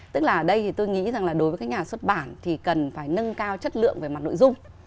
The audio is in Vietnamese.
tức là đây thì tôi nghĩ rằng là đối với các nhà xuất bản thì cần phải nâng cao chất lượng về mặt nội dung